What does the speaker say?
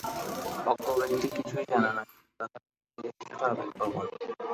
অজ্ঞ ব্যক্তি কিছুই জানে না, কিন্তু তাহার প্রকৃতি কিছুটা আবেগপ্রবণ।